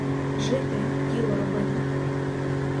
Жити й діло робити.